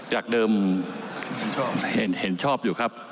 จากเดิมเห็นชอบอยู่ครับ